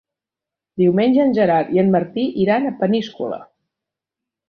Diumenge en Gerard i en Martí iran a Peníscola.